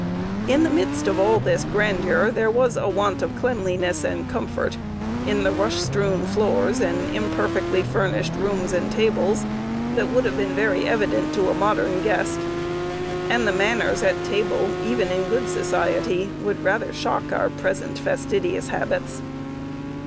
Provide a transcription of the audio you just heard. In the midst of all this grandeur, there was a want of cleanliness and comfort in the rush strewn floors and imperfectly furnished rooms and tables, that would have been very evident to a modern guest; and the manners at table, even in good society, would rather shock our present fastidious habits.